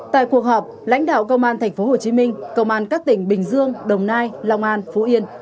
tại cuộc họp lãnh đạo công an tp hcm công an các tỉnh bình dương đồng nai long an phú yên